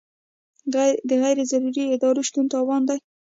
د غیر ضروري ادارو شتون تاوان دی.